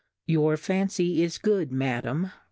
Your Fancy is good, Madam, reph\.!